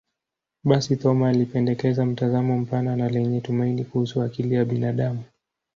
Basi, Thoma alipendekeza mtazamo mpana na lenye tumaini kuhusu akili ya binadamu.